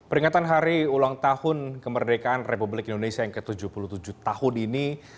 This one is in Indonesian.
peringatan hari ulang tahun kemerdekaan republik indonesia yang ke tujuh puluh tujuh tahun ini